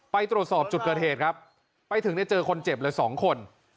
ไปตรวจสอบจุดเกิดเหตุครับไปถึงเนี่ยเจอคนเจ็บเลย๒คน